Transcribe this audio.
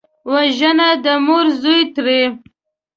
وژنه د مور زوی تړي